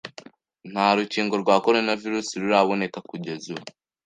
Nta rukingo rwa Coronavirus ruraboneka kugeza ubu,